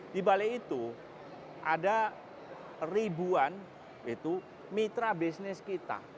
di balik itu ada ribuan mitra bisnis kita